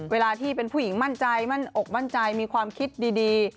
เวลาที่เป็นผู้หญิงมั่นใจมั่นอกมั่นใจมีความคิดดี